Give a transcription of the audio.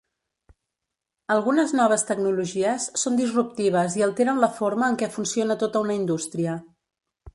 Algunes noves tecnologies són disruptives i alteren la forma en què funciona tota una indústria.